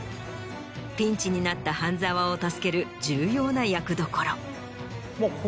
ピンチになった半沢を助ける重要な役どころ。